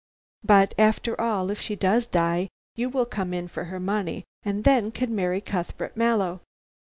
But, after all, if she does die, you will come in for her money and then, can marry Cuthbert Mallow."